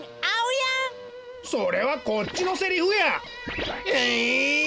それはこっちのセリフや！